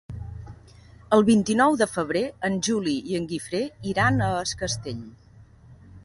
El vint-i-nou de febrer en Juli i en Guifré iran a Es Castell.